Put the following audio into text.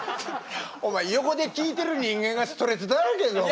お前横で聞いてる人間がストレスだらけだぞ。